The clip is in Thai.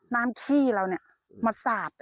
ขี้เราเนี่ยมาสาด